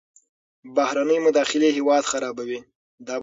بهرنۍ مداخلې هیواد خرابوي.